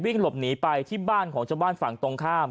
หลบหนีไปที่บ้านของชาวบ้านฝั่งตรงข้าม